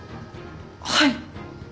はい。